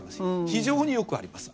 非常によくあります。